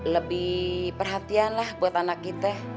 lebih perhatian lah buat anak kita